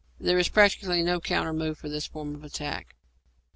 There is practically no counter move to this form of attack.